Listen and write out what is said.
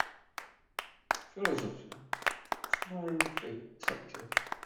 Philosophy is my favorite subject.